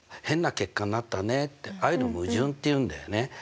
「変な結果になったね」ってああいうの矛盾っていうんだよね。